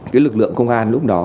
cái lực lượng công an lúc đó